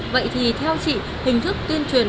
vậy thì theo chị hình thức tuyên truyền